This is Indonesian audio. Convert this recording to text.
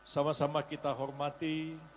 sama sama kita hormati